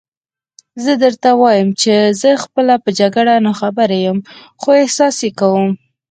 زه درته وایم چې زه خپله په جګړه ناخبره یم، خو احساس یې کوم.